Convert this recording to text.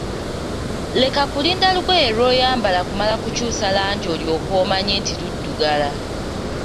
Leka kulinda lugoye lw'oyambala kumala kukyusa langi olyoke omanye nti luddugala.